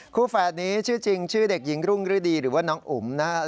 แฝดนี้ชื่อจริงชื่อเด็กหญิงรุ่งฤดีหรือว่าน้องอุ๋มนะครับ